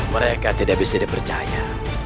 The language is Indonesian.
mereka tidak bisa dipercaya